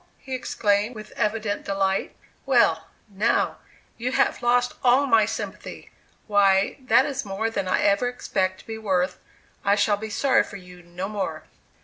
he exclaimed, with evident delight; "well, now, you have lost all my sympathy; why, that is more than I ever expect to be worth; I shall be sorry for you no more."